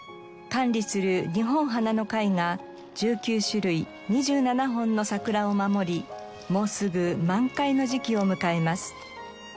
管理する日本花の会が１９種類２７本の桜を守りもうすぐ満開の時期を迎えます。